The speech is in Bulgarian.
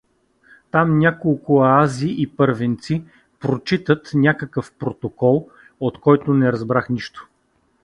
Там няколко аази и първенци прочитат някакъв протокол, от който не разбрах нищо.